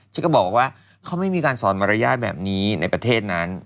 ฉันก็บอกว่าเขาไม่มีการสอนมารยาทแบบนี้ในประเทศนั้น